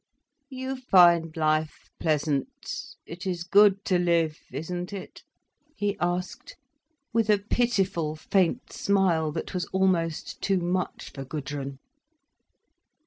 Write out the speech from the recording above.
"You find life pleasant, it is good to live, isn't it?" he asked, with a pitiful faint smile that was almost too much for Gudrun.